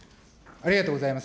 ありがとうございます。